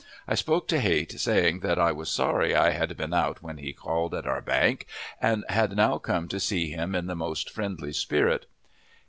I spoke to Height, saying that I was sorry I had been out when he called at our bank, and had now come to see him in the most friendly spirit.